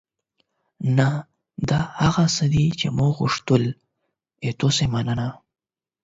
نه، دا هغه څه دي چې ما غوښتل. له تاسو مننه.